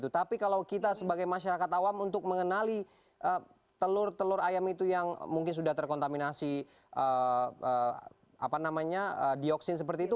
tapi kalau kita sebagai masyarakat awam untuk mengenali telur telur ayam itu yang mungkin sudah terkontaminasi dioksin seperti itu